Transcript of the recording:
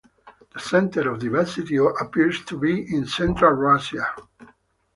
The center of diversity appears to be in Central Russia.